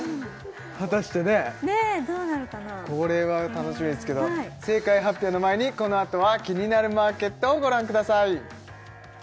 果たしてねこれは楽しみですけど正解発表の前にこのあとは「キニナルマーケット」をご覧ください